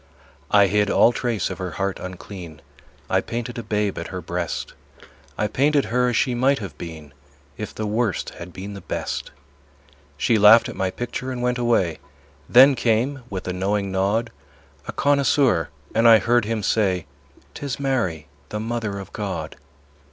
I hid all trace of her heart unclean; I painted a babe at her breast; I painted her as she might have been If the Worst had been the Best. She laughed at my picture and went away. Then came, with a knowing nod, A connoisseur, and I heard him say; "'Tis Mary, the Mother of God."